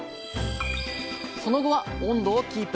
その後は温度をキープ。